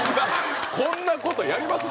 こんな事やります？